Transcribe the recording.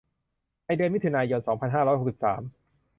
ในเดือนมิถุนายน สองพันห้าร้อยหกสิบสาม